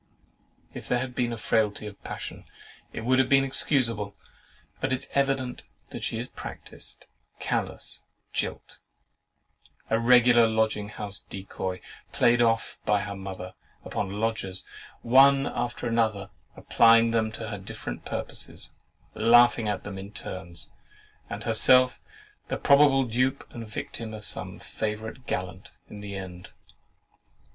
If there had been the frailty of passion, it would have been excusable; but it is evident she is a practised, callous jilt, a regular lodging house decoy, played off by her mother upon the lodgers, one after another, applying them to her different purposes, laughing at them in turns, and herself the probable dupe and victim of some favourite gallant in the end.